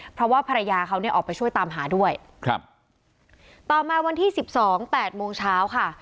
เพราะว่าภรรยาเขาเนี่ยออกไปช่วยตามหาด้วยครับต่อมาวันที่สิบสองแปดโมงเช้าค่ะ